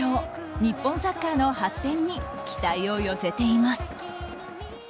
日本サッカーの発展に期待を寄せています。